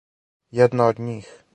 Једна од њих?